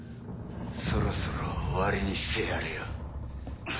そろそろ終わりにしてやるよ。